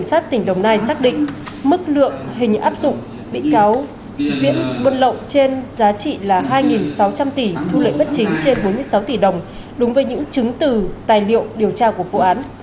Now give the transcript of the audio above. xác tỉnh đồng nai xác định mức lượng hình áp dụng bị cáo viễn buôn lộng trên giá trị là hai sáu trăm linh tỷ thu lợi bất chính trên bốn mươi sáu tỷ đồng đúng với những chứng từ tài liệu điều tra của vụ án